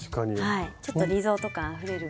はいちょっとリゾート感あふれる。